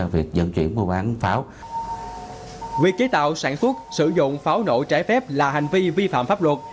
việc chế tạo sản xuất sử dụng pháo nổ trái phép là hành vi vi phạm pháp luật